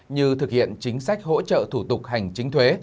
như thực hiện chính sách hỗ trợ thủ tục hành chính thuế